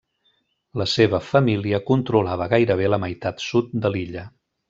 La seva família controlava gairebé la meitat sud de l'illa.